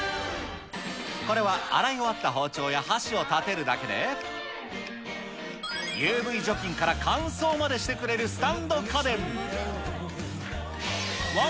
これは、洗い終わった包丁や箸を立てるだけで、ＵＶ除菌から乾燥までしてくれるスタンド家電。